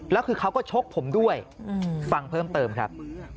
แล้วคือเขาก็ชกผมด้วยฟังเพิ่มเติมครับ